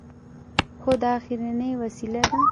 خو دا اخري وسيله ده.